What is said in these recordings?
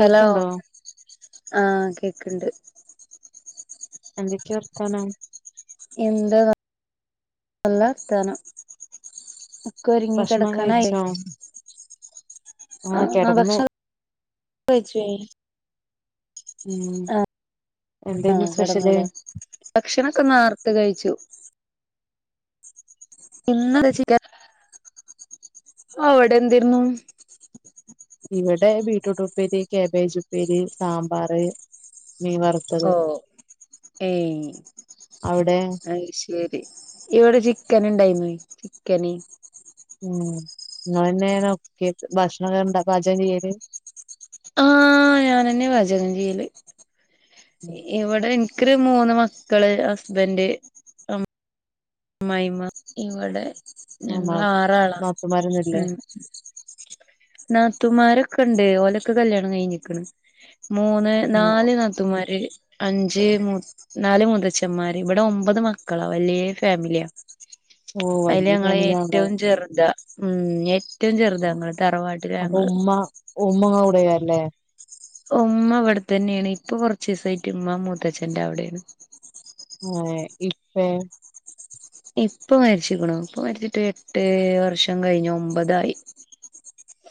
Hello ആഹ് കേക്കണ്ട് എന്തക്കെ വർത്താനം എന്ത നല്ല വർത്താനം ഒകൊരുങ്ങി ഭക്ഷണം കിടക്കാനായ കഴിച്ചോ ആ ആഹ് ആ കെടന്നു ഭക്ഷണം കഴിച്ചു ഉം എന്തന്ന് സ്പെഷ്ല് ഭക്ഷണംമൊക്കെന്ന് നേർത്ത് കഴിച്ചു [unintelligible] ഇന്ന അവിടെ എന്തിരുന്നു ഇവിടെ ബീട്രൂട്ട് ഉപ്പേരി കാബേജ് ഉപ്പേരി സാമ്പാർ ഓ ഹ്ഏ അവിടെ അ യ്ശരി ഇവടെ ചിക്കൻ ഉണ്ടായിരുന്നു ചിക്കന് ഉം ഇങ്ങളന്നെ ഞോ കൊഭക്ഷണണ്ട പാചകം ചെയ്യല് ആഹ് ഞാനെന്നെ പാ ചകം ചെയ്യല് ഇവിടെ എനിക്കൊരു മൂന്ന് മക്കള് ഹസ്ബന്റ്് അമ്മായിമ്മഇവിടെ ആഹ് നാ ഞങ്ങള് ആറാളാ നാത്തൂമാരൊന്നുല്ലേ ഉം നാത്തുമാരൊക്കെ ഉണ്ട് ഓലൊക്കെ കല്യാണം കഴിഞ്ഞിക്കണ് മൂന്ന് നാല് നാത്തുമാര് അഞ്ച് നാല് മുതച്ന്മാര് ഇവിടെ ഒമ്പത് മക്കളാ വലിയ ഫാമിലിയാ ഓഹ് അയി ല് വല്യ ഞങ്ങളെ ഫാമിലി ആണല്ലോ ഏറ്റവും ചെറുത ഉം ഏറ്റവും ചെറുത ഞങ്ങള്തറവാട്ടില അപ്പൊ ഞങ്ങള് ഉമ്മ ഉമ്മ കൂടെയ അല്ലേ ഉമ്മ വിടെ തന്നെയാണ് ഇപ്പൊ കൊറച്ച ദിവസമായിട്ട് ഉമ്മ മൂത്തച്ഛന്റെ അവിടെയാണ് ആ ഇപ്പേ ഇപ്പൊ മരിച്ചിരിക്കണ ഇപ്പൊ മരിച്ചിട്ട് എട്ട് വർഷം കഴിഞ്ഞു ഒമ്പതായി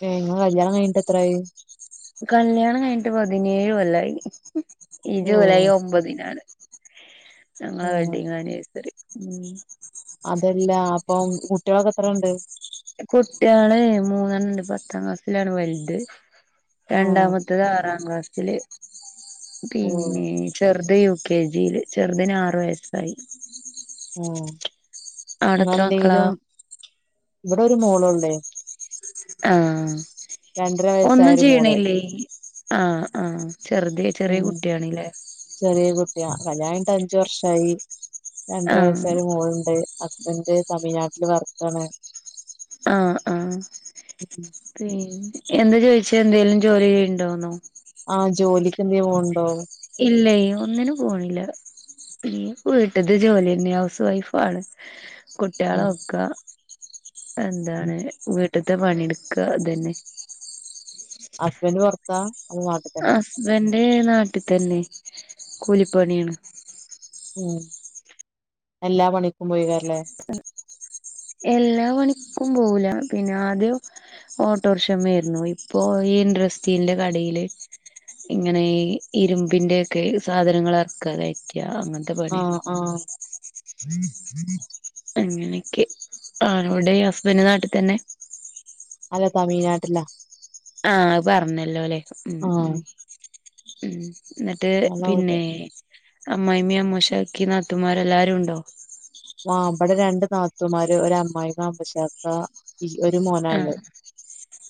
എ കല്യാണം കഴിഞ്ഞിട്ട എത്രായി കല്യാണം കഴിഞ്ഞിട്ട് പതിനേഴ് കൊല്ലം ആയി ഈ ജൂലൈ ഓഹ് ഒമ്പതിനാണ് ഞങ്ങ ഉം വെഡ്ഡിങ് ആനിിവേഴ്സറി ഉ അതല്ല അപ്പം കുട്ടികളൊക്കെ എത്ര ഉണ്ട് കുട്ടിയോൾ മൂന്നെണ്ണം ഉണ്ട് പത്താം ക്ലാസ്സിലാണ് വലുത് ഉം രണ്ടാമത്തേത് ആറാംക്ലാസില് ഉം പിന്നെ ചെറുത് യു കെ ജിയില് ചെറുതന് ആറു വയസ്സായി ആ അവിടെ അങ്ങ എത്ര മക്കളാ എന്തെങ്കിലും ഇവിടെ ഒരു മോള ഉള്ളേ ആഹ രണ്ടര ഒന്നും വയസ്സായ ഒരു മോള് ചെയ്യണില്ലേ ആഹ് ആഹ് ചെറുത ചെറിയ ഉം കുട്ടിയണല്ലേ ചെറിയ കുട്ടിയ കല്യാണി് അഞ്ചു വർഷായി രണ്ടര വയസ്സ ആഹ് ഒരു മോളുണ്ട് ഹസ്ബന്ഡ് തമിഴ്നാട്ടില് വർക്കാണ് ആഹ് ആഹ് ഉം പി എന്താ ചോദിച്ച എന്തെലും ജോലി ചെയ്യുണ്ടോന്നോ ആഹ് ജോലിക്ക് എന്തേലും പോവുണ്ടോന്ന് ഇല്ലേ ഒന്നിനന് പോണില്ല പി വീട്ടത് ജോലിന്നെ ഹൗസ് വൈഫണ് ഉം കുട്ടികളൊക്ക ഉം എന്താണ് വീട്ടത്തെ പണിയെടുക്ക അതന്നെ ഹസ്ബൻഡറ് പുറത്താ ന നാട്ടിൽ തന്നെ ഹസ്ബന്റെ നാട്ടിൽ തന്നെ കൂലിപ്പണിയാണ് ഉം എല്ലാ പണിക്കും പോയി കറല്ലേ എല്ലാ പണിക്കും പോവുല പിന്നെ ആദ്യം ഓട്ടോർഷമ്മ ആരുന്നു ഇപ്പോ ഈൻഡ്രസ്തീന്റെ കടയില് ഇങ്ങനെ ഇരുമ്പിന്റെൊക്കെ സാധനങ്ങൾ ഇറക്ക കയ്ക്ക അങ്ങനെ പണിയാണ് ആഹ് ആഹ് [unintelligible] അങ്ങനെയൊക്കെ ആനോടെ ഹസ്ബൻഡ നാട്ടിൽ തന്നെ അല്ല തമിഴ്നാട്ടില്ല ആഹ് അത് പറഞ്ഞല്ലോ അല്ലേ ഉം ആഹ് ഉം ഉം എന്നിട്ട് പിന്നെ അമ്മായി്മീ അമ്മൂശാക്കി നാത്തമാർ എല്ലാരും ഉണ്ടോ മാ അമ്മടെ രണ്ട് നാത്തുമാര് ഒരമ്മായി മാ അമ്പശാക്ക ആഹ്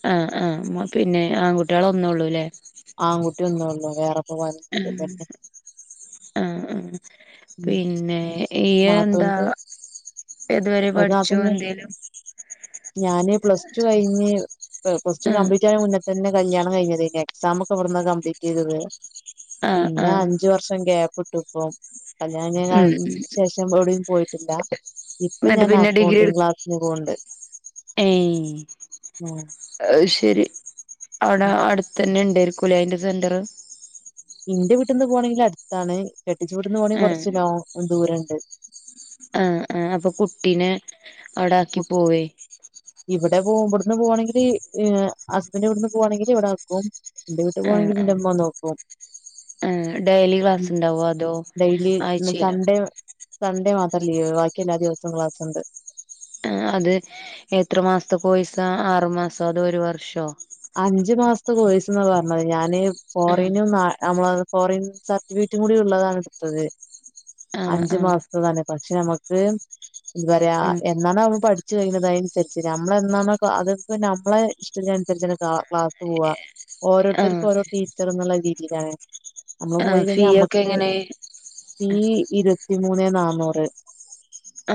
ഹ് ആഹ് പിന്നെ ആൺകുട്ടികള ഒന്നും ഉള്ളൂല്ലേ ആൺകട്ടിയ ഒന്ന് ഉള്ളൂ വേറെ പോവാനൊന്നും ഉം തന്നെ ആഹ് ആഹ് ഉം. പിന്നെ ഏഹ് എന്താ നാത്തൂന്റെ ഏതുവരെ ഒരു പഠിച്ചു നാത്തൂന് എന്തേലും ഞാന് പ്ലസ ടു കഴിഞ് പ്ലസ ടു ആഹ് കപ്ലീറ്റ് ചെയൻ മുന്ന തന്നെ കല്യാണം കഴിഞ്ഞത് ഇ എക്സാം ഒക്കെ ഇവിന്ന് കംപ്ലീറ്റ് ചെയ്തത് ആഹ് പിന്നെ ആഹ് അഞ്ച് വർഷം ഗ്യാപ്പ് ഇട്ട് ഇപ്പ ഉം കല്യാണ ഉം ശേഷം എവിടും പോയിട്ടില്ല ഇപ്പ എന്നിട്ട് ഞൻ അക്കൗണ്ടിങ് ക്ലാസ്സിന്ഖുണ്ട് ഏയ് അയ്ശരി അവിടെ അടുത്ത തന്നെ ഉണ്ടായിരിക്കും കുളിയായ്ന്റെ സെന്ററ് ഇന്റെ വിട്ടന്ന് പോകണമെങ്കിൽ അടുത്താണ് കെട്ടിച്ചു വിട്ടന്ന് പോകണെങ്കിൽ ആഹ് കുറച്ച് ലോ ദൂരംണ്ട് ആഹ് ഹ് അപ്പൊ കുട്ടിനെ അവിട ആക്കി പോവേ ഇവിടെ പോ ഇവിടുന്ന് പോകവാണെങ്കിൽ ഹസ്ബൻന്റെ ഇവിടുന്ന് പോകവാണെങ്കിൽ ഇവിടെ നിക്കും. എന്റെ വീട്ട് പോണെങ്കിൽ എന്റെമ്മ നോകും. ഏഹ് ഡെയ്ലി ക്ലാസ് ഉണ്ടാവോ അതോ ഡെയിലി ആഴ്ചലൊ? സൺഡേ സൺഡേ മാത്രം ലീവ് ബാക്കി എല്ലാ ദിവസവും ക്ലാസ്ണ്ട്. ആഹ് അത് എത്ര മാസത്തെ കോയിസ ആറുമാസോ അതോ ഒരു വർഷോ? അഞ്ചു മാസത്ത കോയിസ്ന്ന പറഞ്ഞത് ഞാന് ആഹ് ഫോറനും നമ്മള ഫോറിൻ സർട്ടിഫിക്കറ്റും കൂടി ഉള്ളതാണ് ഇടുത്തത്. ആഹ് അഞ്ചു ആഹ് മാസത്തതാണ് പക്ഷെ നമക്ക് ഇത്റയാ ആഹ് എന്നാണോ നമ്മൾ പഠിച്ചു കഴിഞ്ഞത് അതിനുസരിച്ചരി നമ്മളെ എന്നാണോ അത് നമ്മളെ സരിച്ച ക്ലാസ് പോവാ ആഹ് ഓരോരുത്തർക്കും ഓരോ ടീച്ചർ എന്നുള്ള രീതിയിലാണ്. നമ്മള് ആഹ് പോയി ഫീ കഴിഞ്ഞാ ഒക്കെ മ്മക്ക് എങ്ങനെ ഈ ഇരുപത്തിമൂന്ന് നാന്നൂറ്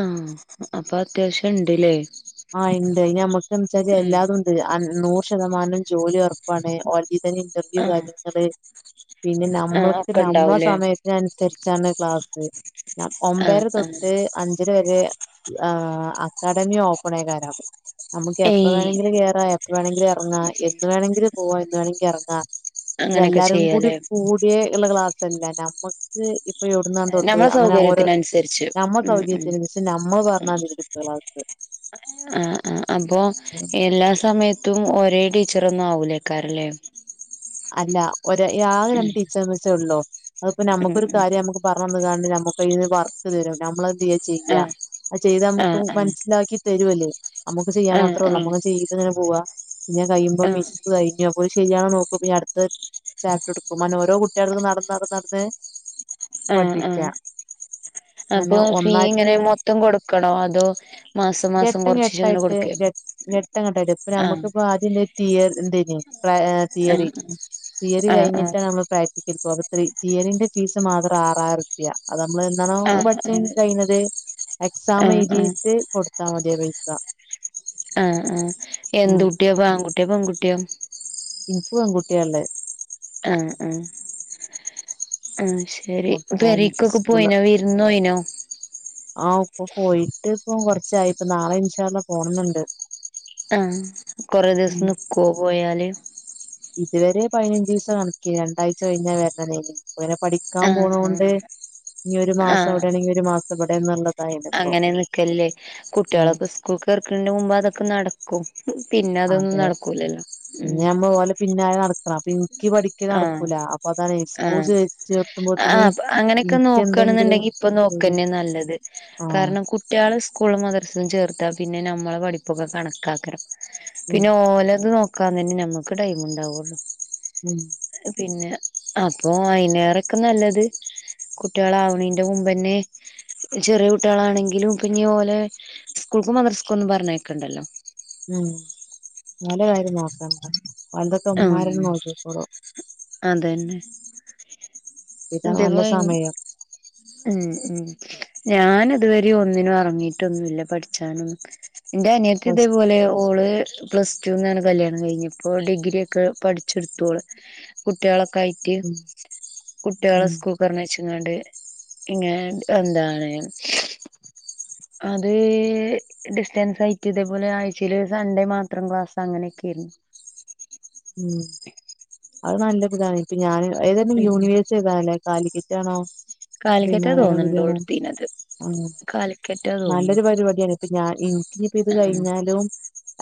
ആഹ് അപ്പൊ അത്യാവശ്യം ഇണ്ടില്ലേ? ആഹ് ഉണ്ട് അഹ് നമ്മുക്കച്ചാല് എല്ലാതും ഉണ്ട് നൂറ് ശതമാനം ജോലി ഉറപ്പാണ് ഓ ഇന്റർവ്യൂ ആഹ് കാര്യങ്ങള് പിന്നെ ആഹ് നമ്മൾക്ക് ഒക്കെ നമ്മ ഉണ്ടാവൂലേ സമയ അതിനനുസരിച്ചാണ് ക്ലാസ്സ് ഞ ഒമ്പര ആഹ് ആഹ് തൊട്ട് അഞ്ചര വരെ ആഹ് അക്കാഡമി ഓപ്പണേക്കാരം നമുക്ക് എപ്പ ഏയ് വേണെങ്കിലും കേറാ എപ്പ വേണെങ്കിലും ഇറങ്ങാ എന്ന് വേണെങ്കിലും പോവാ എന്ന് വേണമെങ്കിലും എറങ്ങാ ഒര് അങ്ങനെയൊക്കെ എല്ലാരും കൂടി ചെയ്യാലേ കൂടിയേള്ള ക്ലാസ്ല് അല്ലെ നമ്മ ഇപ്പൊ എവ്ട്ന്നാ തൊട്ട് നമ്മളെ അങ്ങനെ ഓരോ സൗകര്യത്തിനനുസരിച്ച് നമ്മ ഉം ഉം സൗകര്യത്തിന് നമ്മൾ പറഞ്ഞാ വെരും [unintelligible] ആഹ് ആഹ് അപ്പൊ എല്ലാ സമയത്തും ഒരേ ടീച്ചറൊന്നും ആവൂലേക്കാരം ല്ലെ അല്ല ഒര് ആകെ ഉം രണ്ട് ടീച്ചർ മിസ്സേ ഉള്ളൂ അതിപ്പോ ഉം നമുക്കൊരു ഉം കാര്യം നമുക്ക് പറഞ്ഞന്ന്ങ്ങാണ്ട് നമുക്കയിന്ന് വർക്ക് തരും നമ്മളത് എന്ത്യ്യാ ആ ചെയ്യാ അത് ചെയ്താ ആ നമുക്ക് ആ മനസ്സിലാക്കി തരും ഓല് നമ്മുക്ക് ചെയ്യാൻ ആ മാത്രേ ഉള്ളൂ നമ്മള് ചെയ്ത്ങ്ങനെ പോവാ പിന്നെ അത്‌ കയ്യുമ്പൊ ആ മിസ് കഴിഞ്ഞു അപ്പൊ അത്‌ ശരിയാണോ നോക്ക അടുത്ത് ചാപ്റ്റർ എടുക്കും അങ്ങനെ ഓരോ കുട്ടിളെട്ത്ത്ക്കും നടന്ന് നടന്ന് നടന്ന് ആഹ് പഠിപ്പിക്കുക ആഹ് അങ്ങനെ അപ്പൊ ഫീ ഇങ്ങനെ ഒന്നായിട്ടുള്ള മൊത്തം കൊടുക്കണോ അതോ മാസം മാസം ഘട്ടം കൊറച്ചിച്ചെ ഇങ്ങനെ ഇങ്ങനെ ഘട്ടായിട്ട് കൊടുക്കേ ഘട്ടം ഘട്ടായിട്ട് ഇപ്പൊ ആ നമുക്കിപ്പ ആദ്യന്തേനി തീയ ഏന്തേനി ആ തിയറി തിയറി ആ ആ കഴിഞ്ഞിട്ടാണ് നമ്മ പ്രാക്ട്ടിക്കൽ തിയറിന്റെ ഫീസ് മാത്രം ആറായിരുർപ്യ ആ ആ നമ്മൾ പഠിച്ച് കഴിഞ്ഞത് എക്സാം ആ ആ എഴുതീട്ട് കൊടുത്താ മതി ആ പൈസ ആഹ് ആഹ് ഉം എന്ത് കുട്ടിയാ ഇപ്പൊ ആൺകുട്ടിയോ പെൺകുട്ടിയോ ഇൻക്ക് പെൺകുട്ട്യാള്ളത് ആഹ് ആഹ് ആഹ് ശരി അപ്പം പെരീക്കൊക്കെ പോയിനൊ ഇന്നോയിനോ ആഹ് ഇപ്പൊ പോയിട്ട് ഇപ്പ കൊറച്ചായി ഇപ്പ നാളെ ഇൻഷാല്ല പോണന്ന്ണ്ട് ആഹ് കൊറേ ദിവസം നിക്കോ പോയാല് ഇതുവരെ പതിനഞ്ചിസം കണക്കെര്ന്ന് രണ്ടാഴ്ച കഴിഞ്ഞ വരണതേന് ഇങ്ങനെ പഠിക്കാൻ ആഹ് പോണോണ്ട് ഇനി ഒരു മാസം ആഹ് അവിടെയാണെങ്കിൽ ഒരു മാസം ഇവിടെന്നുള്ള അങ്ങനെ നിക്കല് ല്ലേ ഉം കുട്ട്യാളൊക്കെ സ്കൂൾക്ക് കേറക്ക്ണേന്റെ മുമ്പെ അതൊക്കെ നടക്കും പിന്നെ അതൊന്നും അതെ നടക്കൂലല്ലോ ഉം ഇനി ആമ്പൊ ഓലെ പിന്നാലെ നടക്കണം അപ്പൊ ഇനിക്ക് പഠിക്കല് ആഹ് നടക്കൂല അപ്പൊ അതാണ് സ്കൂൾ ആഹ് ചേ ചേർത്തുമ്പോത്തിന് ആഹ് അങ്ങനെക്കെ ഇനിക്ക് എന്തെങ്കിലും നോക്കാണെന്നുണ്ടെങ്കി ഇപ്പൊ നോക്കന്നെ നല്ലത് ആഹ് കാരണം കുട്ട്യാള് സ്കൂള് മദർസം ചേർത്താ പിന്നെ നമ്മളെ പഠിപ്പൊക്കെ കണക്കാക്കരം ഉം പിന്നെ ഓലത് നോക്കാൻ തന്നെ ഞമ്മക്ക് ടൈം ഉണ്ടാവുള്ളു ഉം പിന്നെ അപ്പൊ അയിനേറെക്കെ നല്ലത് കുട്ട്യാളവ്ണേന്റെ മുമ്പെന്നെ ചെറിയ കുട്ട്യാളെണെങ്കിലും പിന്നെ ഓലെ സ്കൂൾക്കും മദർസ്കൊന്നും പറഞ്ഞയക്കണ്ടല്ലോ ഉം മോന്റെ കാര്യം നോക്കണ്ട ഓൽതൊക്കെ ഉമ്മാരന്നെ നോക്കിക്കോളും അതെന്നെ ഇതാ നല്ല ഇതിപ്പോ സമയം ഉം ഉം ഞാൻ ഇതുവരീം ഒന്നിനും ഇറങ്ങീട്ടൊന്നുല്ല പഠിച്ചാനും ഒന്നും ഇന്റെ അനിയത്തി റെസ്റ്റ് ഇതേപോലെ ഓള് പ്ലസ് ട്ടൂന്നാണ് കല്യാണം കഴിഞ്ഞ് ഇപ്പോ ഡിഗ്രിയൊക്കെ പഠിച്ചെടുത്തു ഓള് കുട്ട്യാളൊക്കെ ആയിട്ട് ഉം കുട്ട്യാളെ ഉം സ്കൂള്ക്ക് പറഞ്ഞയച്ച്ങ്ങാണ്ട് ഇങ്ങെനെ എന്താണ് അത് ഡിസ്റ്റൻസ് ആയിട്ട് ഇതേപോലെ ആഴ്ചയില് സൺഡേ മാത്രം ക്ലാസ് അങ്ങനെയൊക്കേര്ന്ന് ഉം അത് നല്ല ഒര് ഇതാണ് ഇപ്പ ഞാന് ഏതേര്ന്ന് യൂണിവേഴ്സ് ഏതാ കാലിക്കറ്റാണോ കാലിക്കറ്റ തോന്ന്ണ്ട് ഓള് ഇടിത്തീന്നത് ഉം നല്ലൊരു പരിപാടിയാണ് ഇപ്പ ഞാൻ ഇനിക്കിനപ്പ ഇത് ആഹ് കഴിഞ്ഞാലും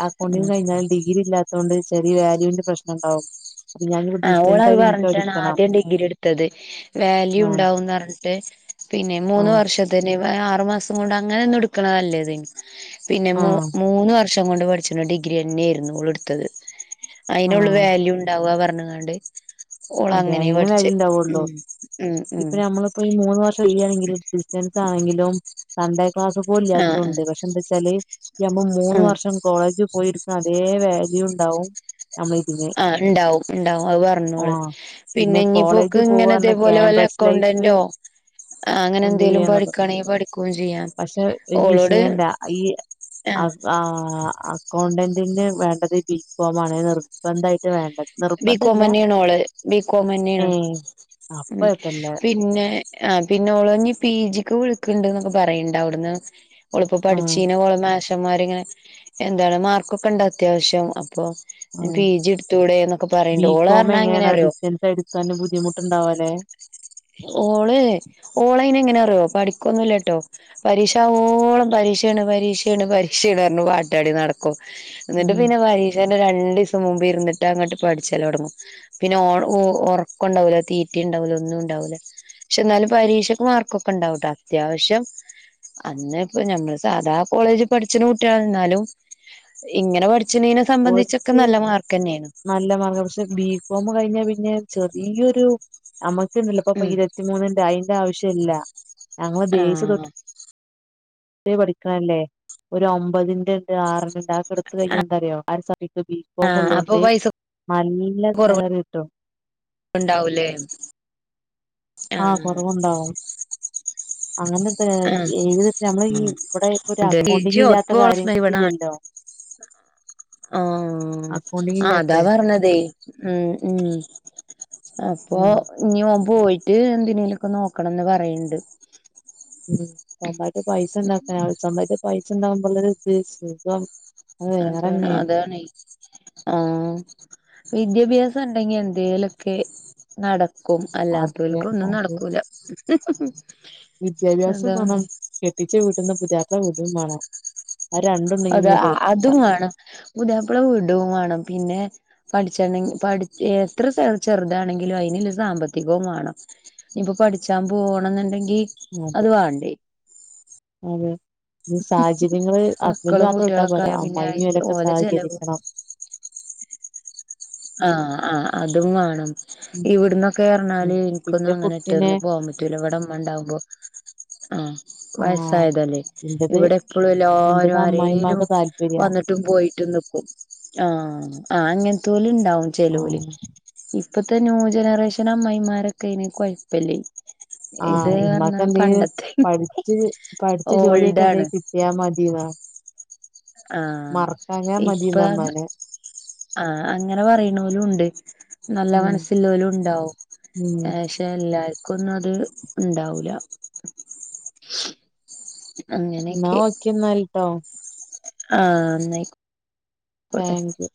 അക്കൗണ്ടി ആഹ് കഴിഞ്ഞാൽ ഡിഗ്രി ഇല്ലാത്തോണ്ട് ചെറിയ വാല്യുന്റെ പ്രശ്നം ഇണ്ടാവും ആഹ് ഓള് അത് പറഞ്ഞിട്ടാണ് എടുക്കണം ആദ്യം ഡിഗ്രി ഇടുത്തത് വാല്യൂ ആഹ് ഉണ്ടാവുംന്ന് പറഞ്ഞിട്ട് പിന്നെ മൂന്ന് ആഹ് വർഷ തനിമേ ആറുമാസം കൊണ്ട് അങ്ങനെന്നും ഇട്ക്കണതല്ലത് പിന്നെ ആഹ് മൂന്ന് വർ ഷം കൊണ്ട് പഠിച്ച്ണ ഡിഗ്രിന്നേർന്നു ഓള് ഇട്ത്തത് അതിനുള്ള ആഹ് വാല്യൂ ഉണ്ടാവുക പറഞ് കാണ്ട് അതെ ഓളങ്ങനെ അയിനെ പഠിച്ചേ വാല്യൂ ഉം ഉ ഉ ഇപ്പൊഈ മൂന്ന് വർഷം ഇല്ല്യണെങ്കിൽ ഡിസ്റ്റൻസ് ആണെങ്കിലും സൺഡേ ക്ലാസ് ആഹ് പോല്ലാത്തൊണ്ട് ആഹ് പക്ഷെ എന്താവെച്ചാല് ഞമ്മ മൂന്ന് ഉം വർഷം കോളേജ് പോയിരിക്കുന്ന അതേ വാല്യൂണ്ടാവും നമ്മളെതിന് ആഹ് ഉണ്ടാവും ഉണ്ടാവും അത് പറഞ്ഞോള് പിന്നെ ഇഞ്ഞിപോക്ക് കോളേജ് ഇങ്ങനെ പോവാറഞ്ഞ ഇതേപോലെ വല്ല ക്യാമ്പസ് ലൈഫ് അക്കൗണ്ടന്റോ ആ അങ്ങനെ എൻജോയ് എന്തേലും ചെയ്യാന്നുള്ളു പഠിക്കണെങ്കിൽ പഠിക്കുകയും ചെയ്യാം പക്ഷെ ഓളോട് ആഹ് അപ്പ ആഹ് അക്കൗണ്ടന്റിന് വേണ്ടത് ബി കോം ആണ് നിർബന്ധായിട്ട് വേണ്ടത് ബി കോം നിർബന്ധല്ല തന്നെയാണ് ഓള് ബി കോം തന്നെയാണ് ഏഹ് അപ്പൊ ഉ കൊഴപ്പല്ല പിന്നെ ആഹ് പിന്നെ ഓളഞ്ഞപി ജിക്ക് വിളിക്ണ്ട്ന്നൊക്കെ പറയണ്ട് അവ്ട്ന്ന് ഓളിപ്പോ ഉം പഠിച്ചീന ഓളെമാഷന്മാർ ഇങ്ങനെ എന്താണ് മാർക്കൊക്കെ ഇണ്ട അത്യാവശ്യം അപ്പൊ പി ജി എടുത്തൂടെ എന്നക്ക ബി കോം എങ്ങനെയണ ഡിസ്റ്റൻസ് എടുക്കെ ബുദ്ധിമുട്ടുണ്ടാവുംല്ലെ ഓള് ഓളൈയ്ന് എങ്ങനെറിയോ പഠിക്കൊന്നുല്ലട്ടോ പരീക്ഷ ആവോളം പരീക്ഷയാണ് പരീക്ഷയാണ് പരീക്ഷാണ് പർഞ്ഞ് പാട്ടാടി നടക്കും എന്നിട്ട് ഉം പിന്നെ പരീഷന്റെ രണ്ട്സം മുമ്പ് ഇരിന്നിട്ട് അങ്ങട്ട് പഠിച്ചലൊടങ്ങും പിന്നെ ഓ ഉറക്കം ഉണ്ടാവൂല തീറ്റണ്ടാവൂല ഒന്നും ണ്ടാവൂല പക്ഷെ എന്നാലും പരീക്ഷക്ക് മാർക്കൊക്കെണ്ടാവൂട്ടോ അത്യാവശ്യം അന്ന് ഇപ്പ ഞമ്മള് സാധാ കോളേജിൽ പഠിച്ചന് കുട്ടിയ എന്നാലും ഇങ്ങനെ പഠിച്ച്ണെനെ സംബന്ധിച്ചൊക്കെ നല്ല മാർക്കന്നെയാണ് നല്ലമാർക്ക പക്ഷെ ബി കോം കഴിഞ്ഞ പിന്നെ ചെറിയൊരു നമ്മക്കണ്ടല്ലപ്പൊ ഉം ഇരുപത്തി മൂന്നിൻ്റെഅതിന്റെ ആവശ്യം ഇല്ല ഞങ്ങള് ബേസ് തൊട്ട് ആഹ് പഠിക്കണല്ലേ ഒരു ഒമ്പതിന്റെണ്ട് ആറിണ്ട് എടുത്ത കഴിഞ്ഞന്താറിയോ ആ ഒരു സമയത്ത് ബി കോം ആഹ് അപ്പൊ ഉള്ളൊണ്ട് പൈസ നല്ല സാലറികിട്ടും ഉണ്ടാവുലേ ആഹ് കുറവുണ്ടാവും അങ്ങനെ ആഹ് ഏത് നമ്മൾ ഇവിടെ ഇപ്പൊ ഒരു അതെ ലിജിയോ അക്കൗണ്ടിംഗില്ലാത്ത ഇപ്പോളെ കാര്യം ഹസ്ബന്റ് ഇവിടെ നാ ഇതില്ലല്ലോ അക്കൗണ്ടിങ് ആഹ് അതാ ഇല്ലാത്തെ പർഞ്ഞതേ ഉം ഉ അപ്പൊ ഉം ഇഞ്ഞി ഓൻ പോയിട്ട് എന്തിനേലൊക്കെ നോക്കണംന്ന് പറയണ്ട് ഉം സ്വന്തായിട്ട് പൈസ ഉണ്ടാക്കാ സ്വന്തായിട്ട് പൈസ ണ്ടാവകുമ്പോല ഇത് സുഖം അത് അതാണ് വേറെന്നെയാണ് അതാണ് ആഹ് വിദ്യാഭ്യാസണ്ടെങ്കി എന്തേലൊക്കെ നട ക്കും അതെ അല്ലാത്തോൽക്കു അതെ ഒന്നുംനടക്കൂല അതാണ് കെട്ടിച്ചവീട്ട്ന്ന് പുതിയാപ്ല വിടുംമാണം അതെ അതുമാണം പുതിയാപ്ല വിടുംവാണം പിന്നെ പഠിച്ചെണെങ്കി പഠ എത്ര ചെറുതാണെങ്കിലും അയിന്ള്ള സാമ്പത്തികവും വേണം ഇനിപ്പൊ പഠിച്ചാൻ പോണന്നുണ്ടെങ്കി അതെ അതെ സാഹചര്യങ്ങള് ഹസ്ബന്റ് മക്കളും മാത്രം കുട്ടികളൊക്കെ വിട്ടാപോരാ ആയ പിന്നെ അമ്മായിമ്മി ഓലൊക്കെ ഓലെ ചെലവും സഹകരിക്കണം ആഹ് ആഹ് അതും വാണം ഉം ഉം ഇവിട്ന്നൊക്കെർഞ്ഞാല് എനിക്കൊന്നും ഇന്റെ അങ്ങനെ കുട്ടിനെ ഇട്ടെർഞ്ഞി പോകാൻപറ്റൂല ഇവിടെ ഇമ്മണ്ടാവുമ്പൊ ആഹ് ആഹ് വയസ്സായതല്ലേ ഇന്റത് ഇവിടെ എപ്പോഴും എല്ലാരും ഇന്റത് ആരെലും അമ്മായിമ്മാക്ക് താല്പര്യ വന്നിട്ട് ട്ടും പോയിട്ടും നിക്കും ആ ആ അങ്ങൻത്തോല്ണ്ടാവും ചെലോല് ആഹ് ഇപ്പത്തെ ന്യൂ ജനറേഷൻ അമ്മായ്മാരൊക്കെയ്നി കുഴപ്പില്ലേ [inaudible] ആ ഇമ്മക്കെന്തെ എന്തീ പഠിച്ച് പഠിച്ച ഓൾഡ് ജോലിയായിട്ട് ആണ് എന്ത കിട്ടിയാൽ മതി എന്നാ [inaudible] ആഹ് ഇപ്പ ഇമ്മാനെ ആഹ് അങ്ങനെ പറയണലു ണ്ട് നല്ല ഉം മന സ്‌ ഇല്ലാലും ഇണ്ടാവും ഉം പക്ഷെ എല്ലാർക്കും ഒന്നും അത് ഇണ്ടാവുല്ല എന്നാ അങ്ങനെയൊക്കെ ഓക്കന്നാലിട്ടോ ആഹ് ന്നായിക്കട്ടെ താങ്ക് യു